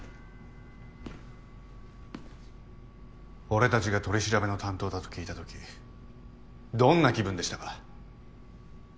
俺たちが取り調べの担当だと聞いた時どんな気分でしたか？